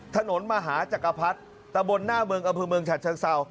ถนนมหาจักรพรรดิตะบนหน้าเมืองอำเภอเมืองฉัดเชิงเศร้า